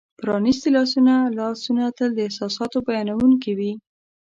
پرانیستي لاسونه : لاسونه تل د احساساتو بیانونکي وي.